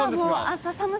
朝、寒さ